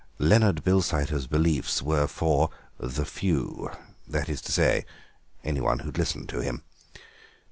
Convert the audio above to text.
Leonard Bilsiter's beliefs were for "the few," that is to say, anyone who would listen to him.